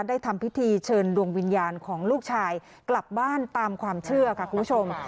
ทำพิธีเชิญดวงวิญญาณของลูกชายกลับบ้านตามความเชื่อค่ะคุณผู้ชม